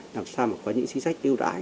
làm sao mà có những sĩ sách ưu đại